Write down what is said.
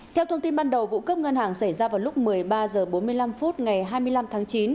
theo thông tin ban đầu vụ cướp ngân hàng xảy ra vào lúc một mươi ba h bốn mươi năm ngày hai mươi năm tháng chín